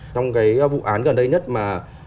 trong cái vụ án gần đây nhất mà